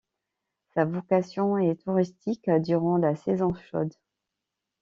Sa vocation est touristique durant la saison chaude.